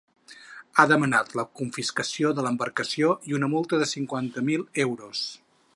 Ha demanat la confiscació de l’embarcació i una multa de cinquanta mil euros.